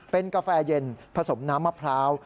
เป็นกาแฟเย็นผสมน้ำมะพร้าว